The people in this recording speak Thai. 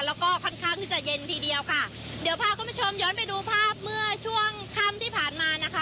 แล้วก็ค่อนข้างที่จะเย็นทีเดียวค่ะเดี๋ยวพาคุณผู้ชมย้อนไปดูภาพเมื่อช่วงค่ำที่ผ่านมานะคะ